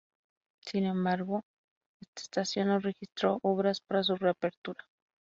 Sin embargo esta estación no registró obras para su reapertura.